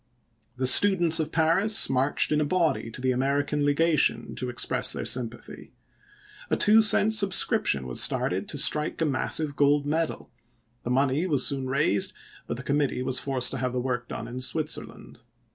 The students of Paris marched in a body to the American Legation to express their sympathy. A two cent subscription was started to strike a mas sive gold medal ; the money was soon raised, but the committee was forced to have the work done in Switzerland.